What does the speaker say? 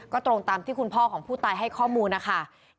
ก็ตรงตามที่คุณพ่อของผู้ตายให้ข้อมูลนะคะ